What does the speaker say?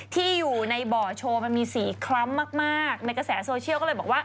ที่อยู่ในบ่อโชว์มันมีสีคล้ำมากในกระแสโซเชียลก็เลยบอกว่า